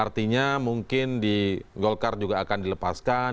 artinya mungkin di golkar juga akan dilepaskan